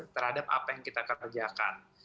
terhadap apa yang kita kerjakan